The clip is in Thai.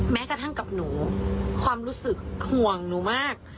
แม้กระทั่งกับหนูความรู้สึกห่วงหนูมาก